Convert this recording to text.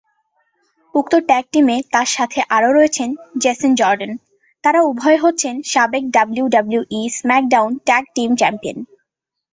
উক্ত ট্যাগ টিমে তার সাথে আরো রয়েছেন জেসন জর্ডান, তারা উভয়ে হচ্ছেন সাবেক WWE SmackDown tag team champion.